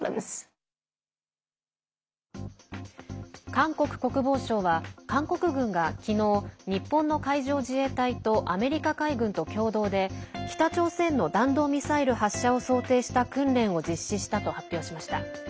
韓国国防省は韓国軍が昨日日本の海上自衛隊とアメリカ海軍と共同で北朝鮮の弾道ミサイル発射を想定した訓練を実施したと発表しました。